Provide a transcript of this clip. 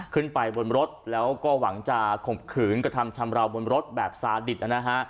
ขึ้นไปบนรถแล้วก็หวังจะข่มขืนกระทำชำราวบนรถแบบสาดิตนะฮะ